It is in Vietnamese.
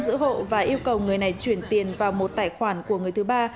giữ hộ và yêu cầu người này chuyển tiền vào một tài khoản của người thứ ba